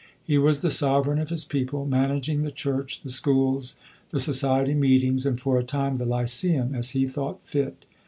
He was the sovereign of his people, managing the church, the schools, the society meetings, and, for a time, the Lyceum, as he thought fit.